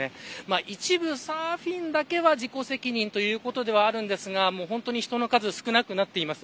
一部、サーフィンだけは自己責任ということではあるんですが人の数が少なくなっています。